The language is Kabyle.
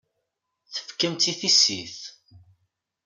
Tefkam-tt i tissit.